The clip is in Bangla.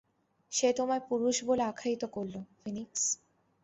সে তোমায় পুরুষ বলে আখ্যায়িত করলো, ফিনিক্স।